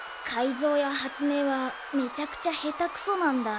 ぞうやはつめいはめちゃくちゃへたくそなんだ。